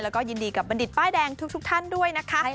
แล้วก็ยินดีกับบัณฑิตป้ายแดงทุกท่านด้วยนะคะ